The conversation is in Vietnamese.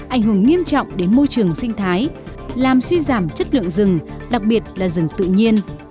ảnh hưởng nghiêm trọng đến môi trường sinh thái làm suy giảm chất lượng rừng đặc biệt là rừng tự nhiên